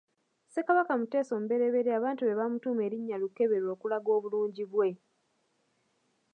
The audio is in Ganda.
Ssekabaka Muteesa omuberyeberye abantu be bamutuuma erinnya Lukeberwa okulaga obulungi bwe.